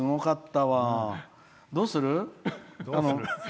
どうする？